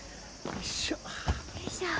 よいしょ。